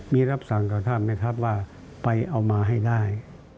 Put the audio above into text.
มีรับสั่งกับท่านไหมครับว่าไปเอามาให้ได้